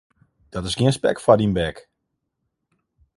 Dat is gjin spek foar dyn bek.